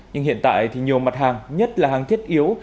nhưng hiện tại thì nhiều mặt hàng nhất là hàng thiết yếu